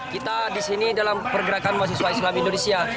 kita di sini dalam pergerakan mahasiswa islam indonesia